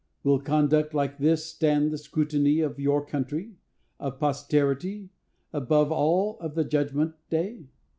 Will conduct like this stand the scrutiny of your country, of posterity, above all, of the judgment day?